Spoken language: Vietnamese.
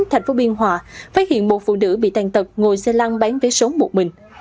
tp biên hòa phát hiện một phụ nữ bị tàn tật ngồi xe lăng bán vé số một mình